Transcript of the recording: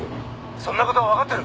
「そんな事はわかってる！